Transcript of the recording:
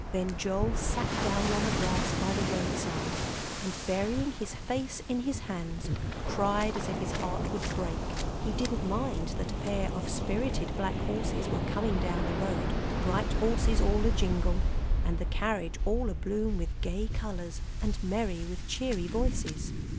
Then Joel sat down on the grass by the roadside, and burying his face in his hands, cried as if his heart would break. He didn't mind that a pair of spirited black horses were coming down the road, the bright horses all a jingle, and the carriage all a bloom with gay colors, and merry with cheery voices.